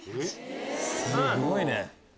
すごいね。